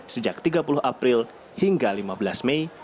sejak tiga puluh april hingga lima belas mei